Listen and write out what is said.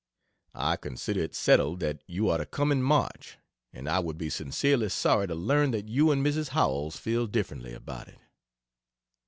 I consider it settled that you are to come in March, and I would be sincerely sorry to learn that you and Mrs. Howells feel differently about it.